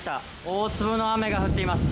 大粒の雨が降っています。